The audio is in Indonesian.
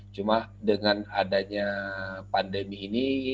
cuma dengan adanya pandemi ini